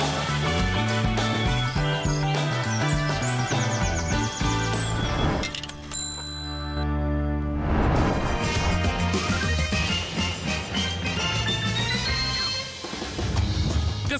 โปรดติดตามตอนต่อไป